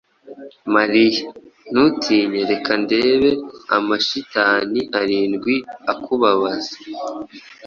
Mariya, ntutinye! Reka ndebe amashitani arindwi akubabaza.